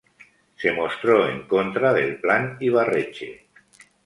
Se mostró en contra del Plan Ibarretxe.